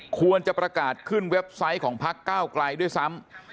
ควรจะประกาศขึ้นเว็บไซต์ของพักเก้าไกลด้วยซ้ำ